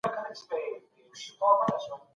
مدیر وویل چې تولیدي عوامل کم دي.